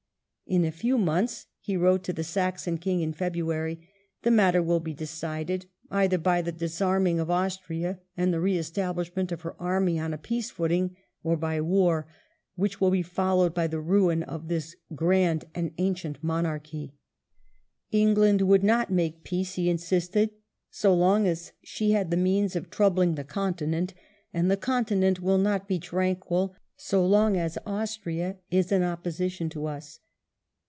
"In a few months," he wrote to the Saxon King in February, "the matter will be decided, either by the disarming of Austria and the re establishment of her army on a peace footing, or by war, which will be fol lowed by the ruin of this grand and ancient monarchy." England would not make peace, he insisted, so long as she had the means of troubling the continent, and " the continent will not be tranquil so long as Austria is in opposition to us."